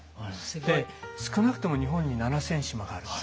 で少なくとも日本に７，０００島があると。